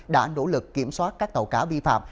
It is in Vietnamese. đã nỗ lực kiểm soát các tàu cá vi phạm